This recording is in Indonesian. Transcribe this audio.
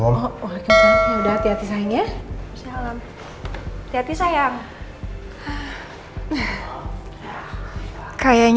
yaudah hati hati sayang ya